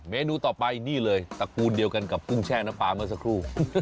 เมนูต่อไปนี่เลยตระกูลเดียวกันกับกุ้งแช่น้ำปลาเมื่อสักครู่